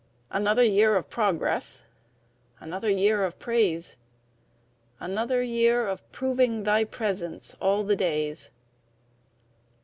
Another year of progress, Another year of praise; Another year of proving Thy presence 'all the days.'